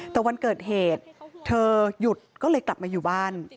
แต่วันเกิดเหตุเธอหยุดก็เลยกลับมาอยู่บ้าน